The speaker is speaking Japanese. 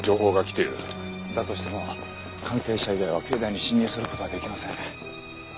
だとしても関係者以外は境内に進入する事は出来ません。